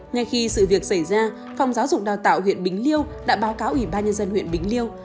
ngay khi sự việc xảy ra phòng giáo dục đào tạo huyện bình liêu đã báo cáo ủy ban nhân dân huyện bình liêu